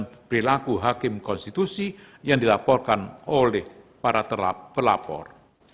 pertama melihatkan kemampuan hakim konstitusi yang dilaporkan oleh para pelapor